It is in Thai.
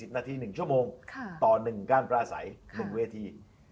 นาที๑ชั่วโมงต่อ๑การปราศัย๑เวที